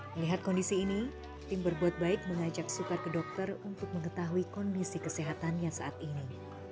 melihat kondisi ini tim berbuat baik mengajak sukar ke dokter untuk mengetahui kondisi kesehatannya saat ini